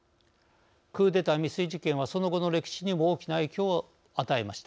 クーデター未遂事件はその後の歴史にも大きな影響を与えました。